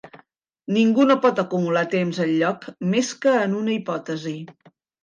Ningú no pot acumular temps enlloc més que en una hipòtesi.